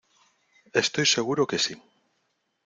Estoy seguro que sí